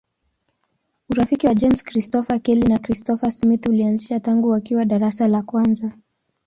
Urafiki wa James Christopher Kelly na Christopher Smith ulianza tangu wakiwa darasa la kwanza.